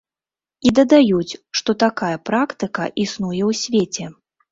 І дадаюць, што такая практыка існуе ў свеце.